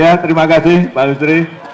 ya terima kasih pak lusri